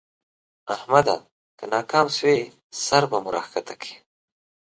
احمده! که ناکام شوې؛ سر به مو راکښته کړې.